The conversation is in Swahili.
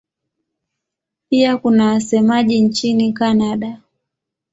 Pia kuna wasemaji nchini Kanada.